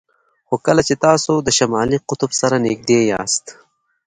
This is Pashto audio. خو کله چې تاسو د شمالي قطب سره نږدې یاست